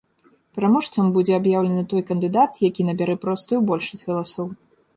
Пераможцам будзе аб'яўлены той кандыдат, які набярэ простую большасць галасоў.